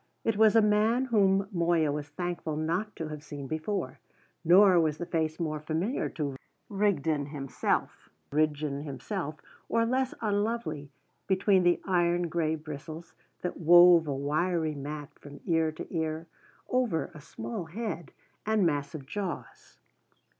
It was a man whom Moya was thankful not to have seen before. Nor was the face more familiar to Rigden himself, or less unlovely between the iron grey bristles that wove a wiry mat from ear to ear, over a small head and massive jaws.